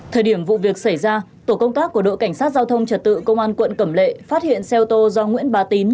thời điểm vụ việc xảy ra tổ công tác của đội cảnh sát giao thông trật tự công an quận cẩm lệ phát hiện xe ô tô do nguyễn bá tín